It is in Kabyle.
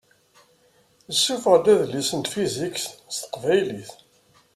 Isuffeɣ-d adlis n tfizikt s teqbaylit.